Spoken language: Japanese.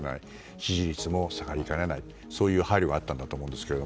支持率も下がりかねないそういう配慮があったと思うんですが。